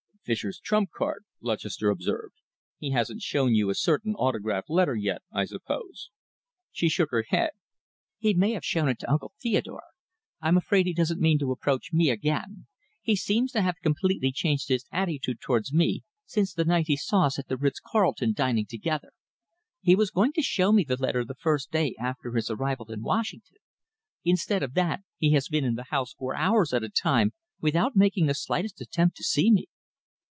"Fischer's trump card," Lutchester observed. "He hasn't shown you a certain autograph letter yet, I suppose?" She shook her head. "He may have shown it to Uncle Theodore. I'm afraid he doesn't mean to approach me again. He seems to have completely changed his attitude towards me since the night he saw us at the Ritz Carlton dining together. He was going to show me the letter the first day after his arrival in Washington. Instead of that, he has been in the house for hours at a time without making the slightest attempt to see me."